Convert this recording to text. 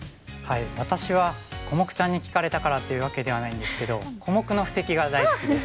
私はコモクちゃんに聞かれたからというわけではないんですけど小目の布石が大好きです。